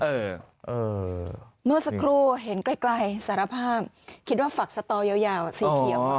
เมื่อสักครู่เห็นใกล้สารภาพคิดว่าฝักสตอยาวสีเขียว